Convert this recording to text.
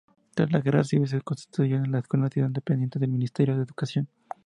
Tras la guerra civil se constituyó en Escuela Nacional dependiente del Ministerio de Educación.